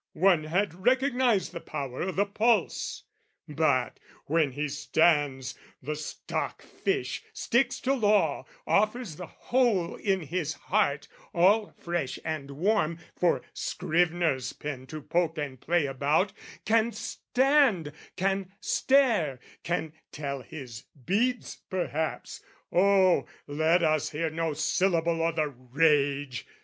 One had recognised the power o' the pulse. "But when he stands, the stock fish, sticks to law "Offers the hole in his heart, all fresh and warm, "For scrivener's pen to poke and play about "Can stand, can stare, can tell his beads perhaps, "Oh, let us hear no syllable o' the rage!